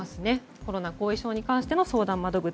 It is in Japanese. コロナ後遺症に関しての相談窓口。